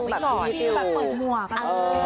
ที่แบบเปิดหัวกันเลย